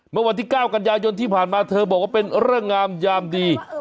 เมื่อวันที่๙กันยายนที่ผ่านมาเธอบอกว่าเป็นเรื่องงามยามดี